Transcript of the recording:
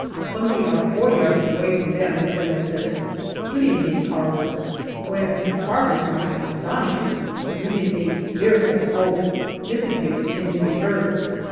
When we are four yards away from them the General says, " Good evening, Carver," when Carver, to my astonishment, using a fearful oath, disappears into the earth.